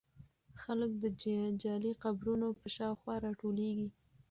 خلک د جعلي قبرونو په شاوخوا راټولېږي.